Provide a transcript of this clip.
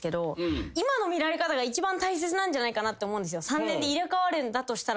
３年で入れ替わるんだとしたら。